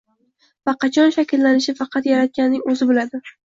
va qachon shakllanishini faqat Yaratganning o‘zi biladi